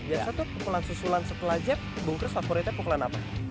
biasa tuh pukulan susulan setelah jab bung chris favoritnya pukulan apa